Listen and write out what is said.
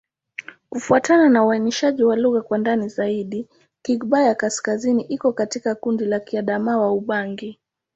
Kufuatana na uainishaji wa lugha kwa ndani zaidi, Kigbaya-Kaskazini iko katika kundi la Kiadamawa-Ubangi.